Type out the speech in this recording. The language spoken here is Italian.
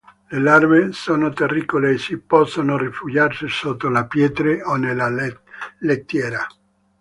Le larve sono terricole e si possono rifugiare sotto le pietre o nella lettiera.